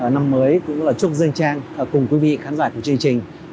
năm mới cũng là trúc dương trang cùng quý vị khán giả của chương trình